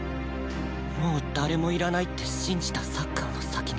「もう誰もいらない」って信じたサッカーの先に